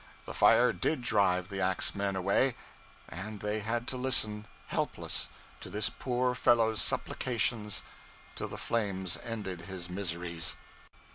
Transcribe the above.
The fire did drive the axmen away, and they had to listen, helpless, to this poor fellow's supplications till the flames ended his miseries.